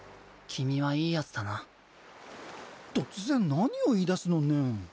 君はいいヤツだな突然何を言いだすのねん？